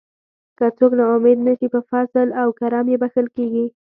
که څوک نا امید نشي په فضل او کرم یې بښل کیږي.